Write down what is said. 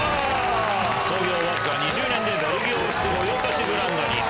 創業わずか２０年でベルギー王室御用達ブランドに。